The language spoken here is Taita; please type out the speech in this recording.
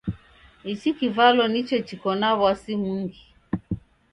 Ichi kivalwa nicho chiko na w'asi mungi.